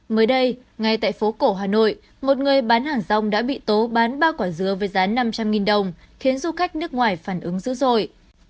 mới đây ngay tại phố cổ hà nội một người bán hàng rong đã bị tố bán ba quả dứa với giá năm trăm linh đồng khiến du khách nước ngoài phản ứng dữ dội